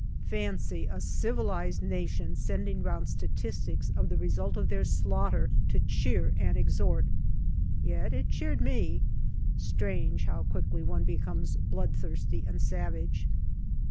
Fancy a civilized nation sending round statistics of the result of their slaughter to cheer and ex hort ! Yet it cheered me. Strange how quickly one becomes bloodthirsty and savage.